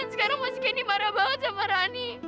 dan sekarang masih kendi marah banget sama rani